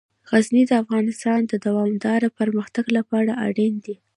غزني د افغانستان د دوامداره پرمختګ لپاره اړین دي.